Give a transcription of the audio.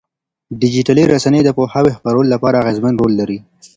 ډيجيټلي رسنۍ د پوهاوي خپرولو لپاره اغېزمن رول لري.